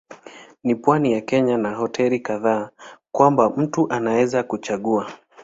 Ni pwani ya Kenya na hoteli kadhaa kwamba mtu anaweza kuchagua.